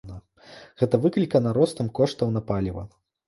Гэта выклікана ростам коштаў на паліва.